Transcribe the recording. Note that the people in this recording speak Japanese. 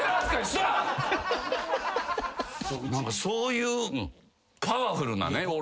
そういうパワフルなね。